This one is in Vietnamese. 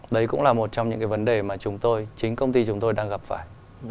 đấy cũng là một trong những cái vấn đề mà chúng tôi chính công ty chúng tôi đang gặp phải